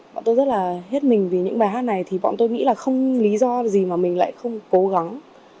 bọn tôi rất là hết mình vì những bài hát này thì bọn tôi nghĩ là không lý do gì mà mình lại không cố gắng